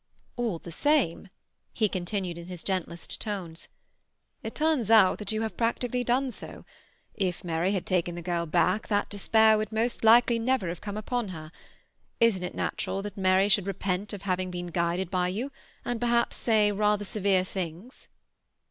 "All the same," he continued in his gentlest tone, "it turns out that you have practically done so. If Mary had taken the girl back that despair would most likely never have come upon her. Isn't it natural that Mary should repent of having been guided by you, and perhaps say rather severe things?"